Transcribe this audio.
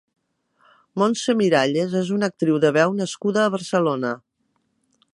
Montse Miralles és una actriu de veu nascuda a Barcelona.